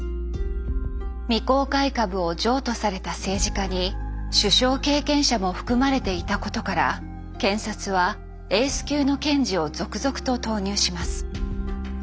未公開株を譲渡された政治家に首相経験者も含まれていたことから検察はエース級の検事を続々と投入します。